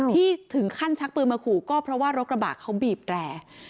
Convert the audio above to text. ที่ถึงขั้นชักปืนมาขู่ก็เพราะว่ารถกระบะเขาบีบแร่